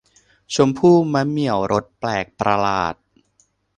ชมพู่มะเหมี่ยวรสแปลกประหลาด